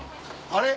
あれ？